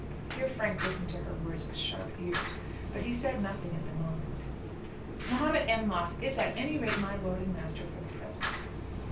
Here Frank listened to her words with sharp ears, but he said nothing at the moment. "Mahomet M. Moss is at any rate my lord and master for the present."